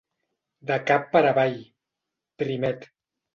De cap per avall, primet.